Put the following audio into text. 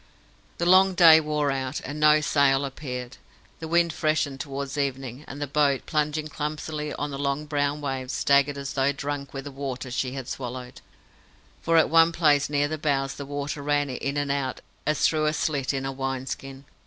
The long day wore out, and no sail appeared. The wind freshened towards evening, and the boat, plunging clumsily on the long brown waves, staggered as though drunk with the water she had swallowed, for at one place near the bows the water ran in and out as through a slit in a wine skin.